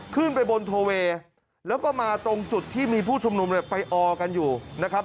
ขึ้นไปบนโทเวย์แล้วก็มาตรงจุดที่มีผู้ชุมนุมเนี่ยไปออกันอยู่นะครับ